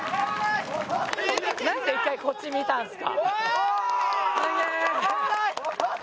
なんで１回こっち見たんすか？